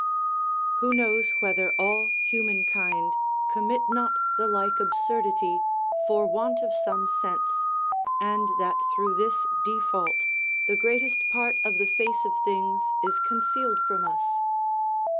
Who knows whether all human kind commit not the like absurdity, for want of some sense, and that through this default the greatest part of the face of things is concealed from us?